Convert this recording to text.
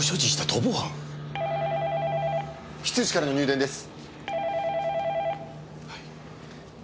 非通知からの入電です。